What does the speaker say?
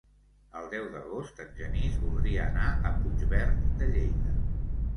El deu d'agost en Genís voldria anar a Puigverd de Lleida.